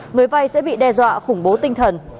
người vay sẽ bị đe dọa khủng bố tinh thần